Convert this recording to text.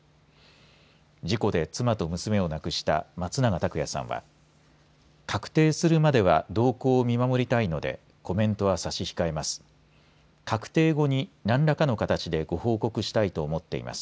事故で妻と娘を亡くした松永拓也さんは確定するまでは動向を見守りたいのでコメントは差し控えます。